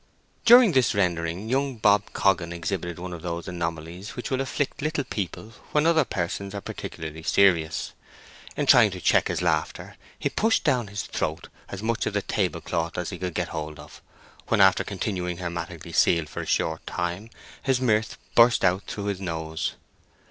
But during this rendering young Bob Coggan exhibited one of those anomalies which will afflict little people when other persons are particularly serious: in trying to check his laughter, he pushed down his throat as much of the tablecloth as he could get hold of, when, after continuing hermetically sealed for a short time, his mirth burst out through his nose.